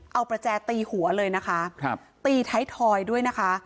เอาประแจตีหัวเลยนะคะครับตีไทยทอยด้วยนะคะ